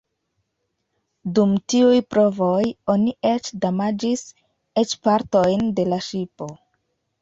Dum tiuj provoj oni eĉ damaĝis eĉ partojn de la ŝipo.